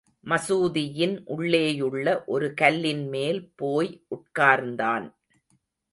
மசூதியின் உள்ளேயுள்ள ஒரு கல்லின்மேல் போய் உட்கார்ந்தான்.